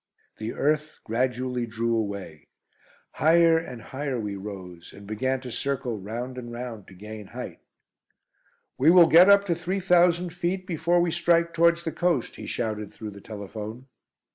The earth gradually drew away. Higher and higher we rose, and began to circle round and round to gain height. "We will get up to three thousand feet before we strike towards the coast," he shouted through the telephone.